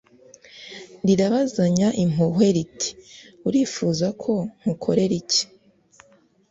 rirabazanya impuhwe riti : "Urifuza ko ngukorera iki?"